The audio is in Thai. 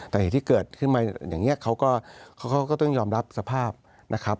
แต่เหตุที่เกิดขึ้นมาอย่างนี้เขาก็ต้องยอมรับสภาพนะครับ